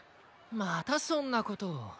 またそんなことを。